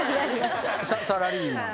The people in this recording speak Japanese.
サラリーマン？